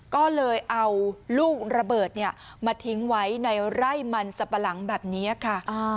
ก็เลยเอาลูกระเบิดมาทิ้งไว้ในไร่มันสับปะหลังแบบนี้ค่ะ